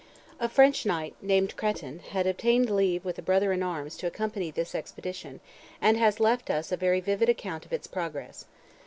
A French knight, named Creton, had obtained leave with a brother in arms to accompany this expedition, and has left us a very vivid account of its progress.